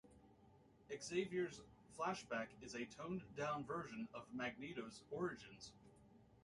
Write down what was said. Xavier's flashback is a toned down version of Magneto's origins.